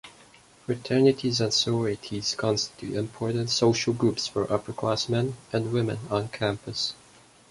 Fraternities and sororities constitute important social groups for upperclass-men and -women on campus.